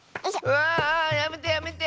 うわあやめてやめて！